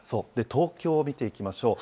東京を見ていきましょう。